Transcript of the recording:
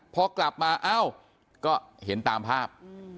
พอกลับมาเอ้าก็เห็นตามภาพ